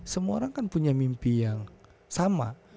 semua orang kan punya mimpi yang sama